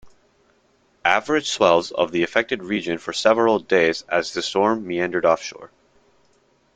Average swells of affected the region for several days as the storm meandered offshore.